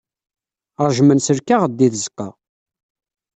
Ṛejjmen s lkaɣeḍ deg tzeɣɣa.